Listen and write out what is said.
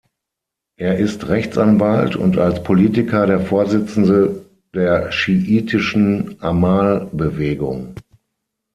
Er ist Rechtsanwalt und als Politiker der Vorsitzende der schiitischen Amal-Bewegung.